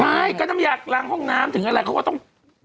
ไม่ก็น้ำยาล้างห้องน้ำถึงอะไรเขาก็ต้อง